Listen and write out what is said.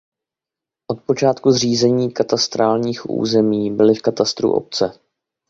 Od počátku zřízení katastrálních území byly v katastru obce.